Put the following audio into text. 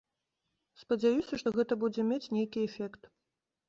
Спадзяюся, што гэта будзе мець нейкі эфект.